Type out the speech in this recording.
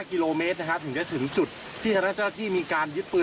กิโลเมตรนะครับถึงจะถึงจุดที่เจ้าท่านเจ้าที่มีการยึดปืน